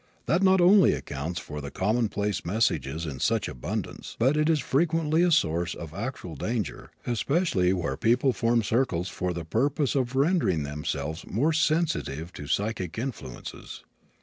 That not only accounts for the commonplace messages in such abundance, but it is frequently a source of actual danger, especially where people form "circles" for the purpose of rendering themselves more sensitive to psychic influences.